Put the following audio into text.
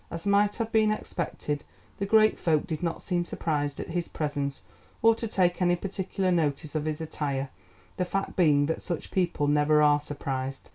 As might have been expected, the great folk did not seem surprised at his presence, or to take any particular notice of his attire, the fact being that such people never are surprised.